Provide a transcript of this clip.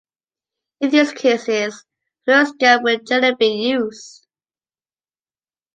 In these cases, a fluoroscope will generally be used.